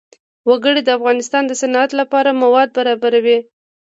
وګړي د افغانستان د صنعت لپاره مواد برابروي.